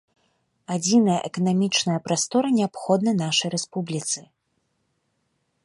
Адзіная эканамічная прастора неабходная нашай рэспубліцы.